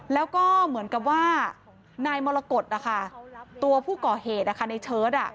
แล้วก็เหมือนกับว่านายมรกฏนะคะตัวผู้ก่อเหตุในเชิด